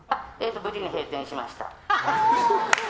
無事に閉店しました。